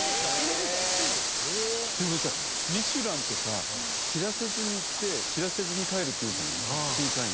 でもさ『ミシュラン』ってさ知らせずに行って知らせずに帰るっていうじゃない審査員。